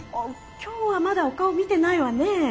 今日はまだお顔見てないわねえ。